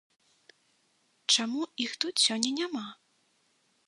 Чаму іх тут сёння няма?